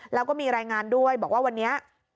แล้วก็มีรายงานด้วยบอกว่าวันนี้